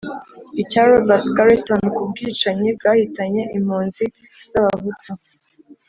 icya robert garreton ku bwicanyi bwahitanye impunzi z'abahutu